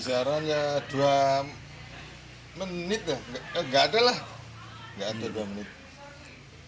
siaran ya dua menit ya nggak ada lah nggak ada dua menit